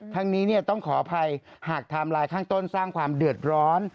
ทั้งนี้ต้องขออภัยหากไทม์ไลน์ข้างต้นสร้างความเดือดร้อน